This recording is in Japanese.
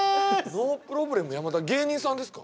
ノープロブレム山田芸人さんですか？